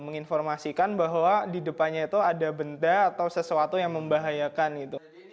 menginformasikan bahwa di depannya itu ada benda atau sesuatu yang membahayakan gitu